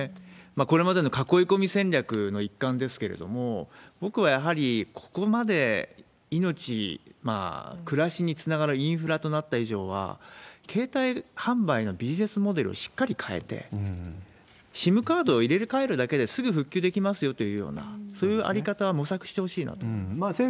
これまでの囲い込み戦略の一環ですけれども、僕はやはりここまで命、暮らしにつながるインフラとなった以上は、携帯販売のビジネスモデルをしっかり変えて、ＳＩＭカードを入れ替えるだけですぐ復旧できますよというふうな、そういう在り方を模索してほしいなと思います。